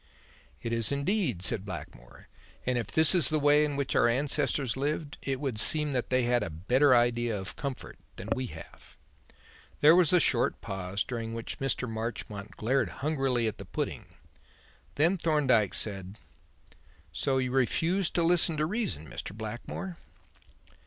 "It is indeed," said Blackmore, "and if this is the way in which our ancestors lived, it would seem that they had a better idea of comfort than we have." There was a short pause, during which Mr. Marchmont glared hungrily at the pudding; then Thorndyke said: "So you refused to listen to reason, Mr. Blackmore?"